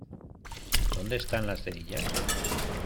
¿ Dónde están las cerillas?